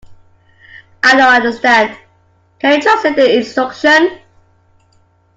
I don't understand; can you translate the instructions?